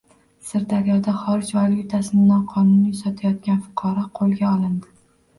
Sirdaryoda xorij valyutasini noqonuniy sotayotgan fuqaro qo‘lga olindi